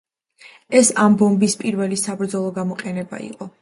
ეს ამ ბომბის პირველი საბრძოლო გამოყენება იყო.